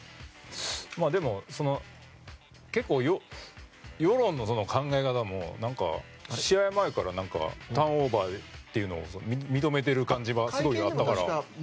でも、結構世論の考え方も何か試合前からターンオーバーっていうのを認めてる感じがすごいあったから。